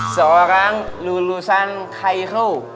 seorang lulusan kairo